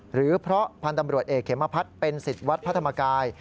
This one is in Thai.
หรือเพราะพันธ์ตำรวจเอกเขมพัฒน์เป็นสิทธิ์วัดพระธรรมกาย